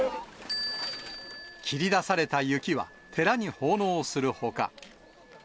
切り出された雪は、寺に奉納するほか。